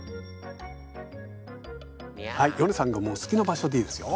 ヨネさんが好きな場所でいいですよ。